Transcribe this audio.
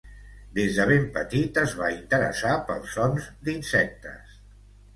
Des de ben petit es va interessar pels sons d'insectes.